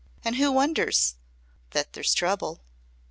And who wonders that there's trouble.'